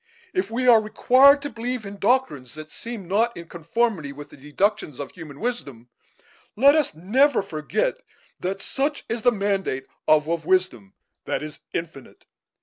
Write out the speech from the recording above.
If we are required to believe in doctrines that seem not in conformity with the deductions of human wisdom, let us never forget that such is the mandate of a wisdom that is infinite.